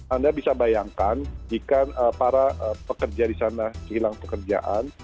anda bisa bayangkan jika para pekerja di sana kehilangan pekerjaan